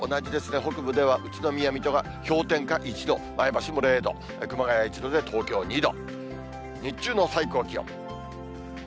北部では宇都宮、水戸が氷点下１度、前橋も０度、熊谷１度で東京２度。